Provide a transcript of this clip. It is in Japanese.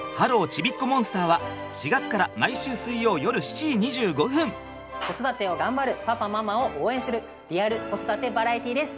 ちびっこモンスター」は４月から子育てを頑張るパパママを応援するリアル子育てバラエティーです。